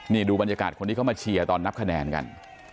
นี่ดูบรรยากาศคนที่เขามาเชียร์ตอนนับคะแนนกัน